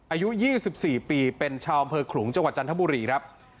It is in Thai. อายุ๒๔ปีเป็นชาวอำเภอขลุงจังหวัดจันทบุรีครับ